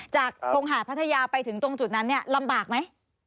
ตรงหาดพัทยาไปถึงตรงจุดนั้นเนี่ยลำบากไหม